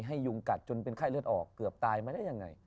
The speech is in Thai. ให้ยุงกัดเป็นค่ายเลือดออกเกือบตายไม่ได้ยังไง